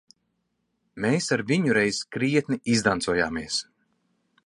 Mēs ar viņu reiz krietni izdancojāmies.